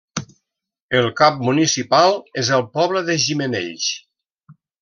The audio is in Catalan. El cap municipal és el poble de Gimenells.